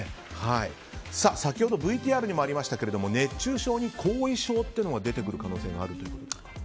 先ほどＶＴＲにもありましたが熱中症に後遺症っていうのが出てくる可能性があるという。